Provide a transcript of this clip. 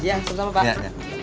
ya sama sama pak